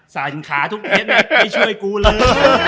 ใส่ขาทุกเม็ดไม่ช่วยกูเลย